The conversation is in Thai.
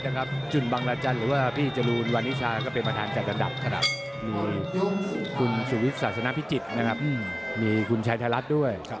ตามไปนะมีคนจัดลัดเป็นน่าจุลเป็นประธานจัดลัด